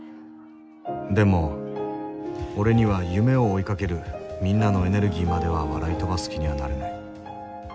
でも俺には夢を追いかけるみんなのエネルギーまでは笑い飛ばす気にはなれない。